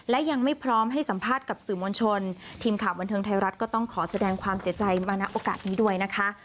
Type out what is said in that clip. และยังไม่พร้อมให้สัมภาษณ์กับสื่อมวลชนทีมข่าวบันเทิงไทยรัฐก็ต้องขอแสดงความเสียใจมาณโอกาสนี้ด้วยนะคะ